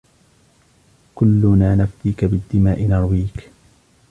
كُلُّنَا نَفْدِيكِ بِالدِّمَاء نَرْوِيكِ